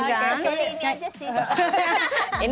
gak ini aja sih